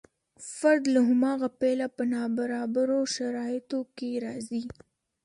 فرد له هماغه پیله په نابرابرو شرایطو کې راځي.